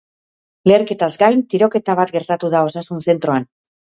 Leherketaz gain, tiroketa bat gertatu da osasun zentroan.